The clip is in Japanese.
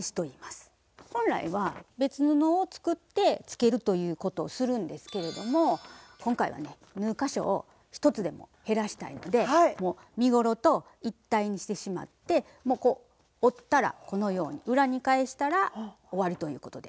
本来は別布を作ってつけるということをするんですけれども今回はね縫う箇所を一つでも減らしたいのでもう身ごろと一体にしてしまってもう折ったらこのように裏に返したら終わりということで。